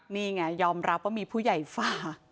นี่ไงยอมรับว่ามีผู้ใหญ่ฝ่า